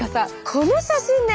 この写真ね。